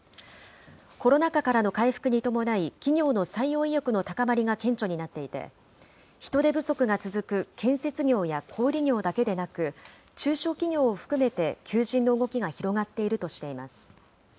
コロナ禍からの回復に伴い、企業の採用意欲の高まりが顕著になっていて、人手不足が続く建設業や小売り業だけでなく、中小企業を含めて、求人の動きが広がっているとしています。